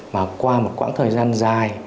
mà qua một quãng thời gian dài